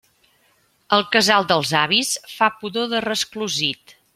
El casal dels avis fa pudor de resclosit.